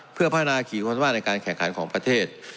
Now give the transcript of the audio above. เพื่อพัฒนาขี่ความสามารถในการแข่งขันของประเทศ